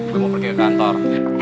dia mau pergi ke kantor